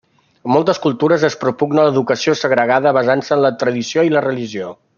En moltes cultures es propugna l'educació segregada basant-se en la tradició i la religió.